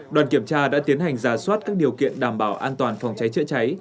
đoàn kiểm tra đã tiến hành giả soát các điều kiện đảm bảo an toàn phòng cháy chữa cháy